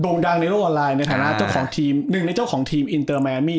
โดดดังในโลกออนไลน์ในฐานะเจ้าของทีม